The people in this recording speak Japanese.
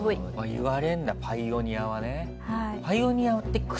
言われるんだパイオニアはね。